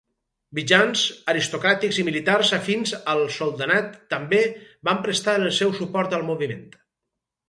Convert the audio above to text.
Mitjans aristocràtics i militars afins al soldanat també van prestar el seu suport al moviment.